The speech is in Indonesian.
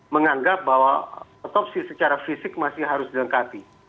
menganggap bahwa otopsi secara fisik masih harus dilengkapi